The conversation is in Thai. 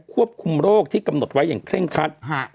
ควบคุมโรคที่กำหนดไว้อย่างเคร่งคัด